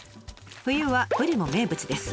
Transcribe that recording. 冬はブリも名物です。